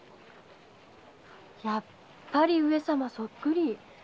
やっぱり上様そっくり。